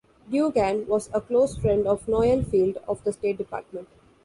Duggan was a close friend of Noel Field of the State Department.